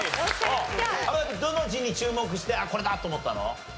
濱田君どの字に注目して「これだ！」って思ったの？